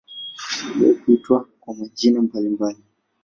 Iliwahi kuitwa kwa majina mbalimbali.